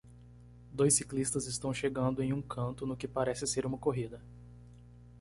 Dois ciclistas estão chegando em um canto no que parece ser uma corrida.